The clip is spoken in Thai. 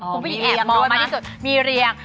อ๋อมีเรียงด้วยมั้ยคุณผู้ชายแอบมองมากที่สุดมีเรียง